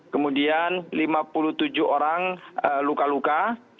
kemudian lima puluh tujuh orang luka luka